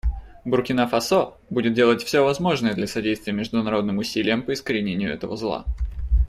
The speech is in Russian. Буркина-Фасо будет делать все возможное для содействия международным усилиям по искоренению этого зла.